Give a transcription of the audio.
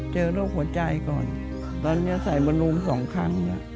เจอโรคหัวใจก่อนตอนนี้ใส่มาลูมสองครั้งแล้ว